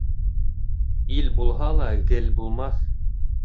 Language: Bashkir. Ил булһа ла гел булмаҫ.